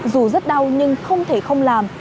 dù rất đau nhưng không thể không làm